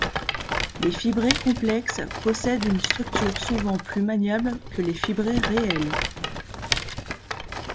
Les fibrés complexes possèdent une structure souvent plus maniable que les fibrés réels.